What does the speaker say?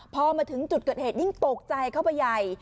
พอมาถึงจุดเกิดเหตุยิ่งตกใจเข้าไปใหญ่